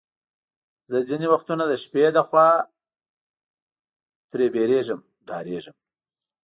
زه ځینې وختونه د شپې له خوا ترې بیریږم، ډارېږم.